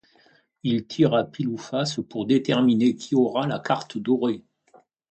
Ils tirent à pile ou face pour déterminer qui aura la carte dorée.